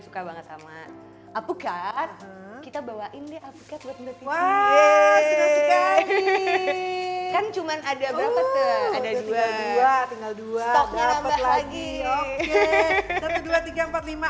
suka banget sama apukat kita bawain deh apukat buat mbak titi